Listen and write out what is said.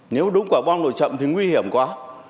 nếu đúng quả bom đội chậm thì nguy hiểm quá